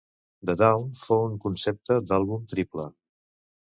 "The Dawn" fou un concepte d'àlbum triple.